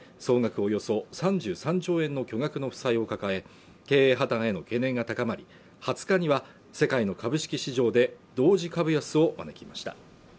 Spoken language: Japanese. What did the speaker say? およそ３３兆円の巨額の負債を抱え経営破綻への懸念が高まり２０日には世界の株式市場で同時株安を招きました